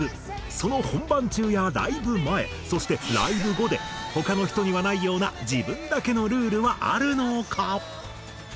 その本番中やライブ前そしてライブ後で他の人にはないような自分だけのルールはあるのか？